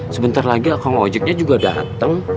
sebentar lagi aku mau ajaknya juga dateng